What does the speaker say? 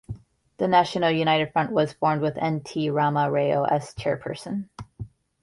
The national united front was formed with N. T. Rama Rao as chairperson.